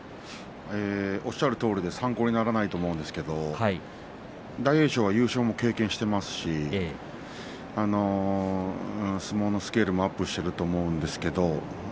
おっしゃるとおり参考にならないと思いますが大栄翔は優勝も経験してますし相撲のスケールもアップしていると思います。